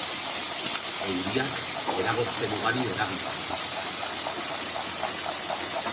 Euriak eragozpen ugari eragin ditu.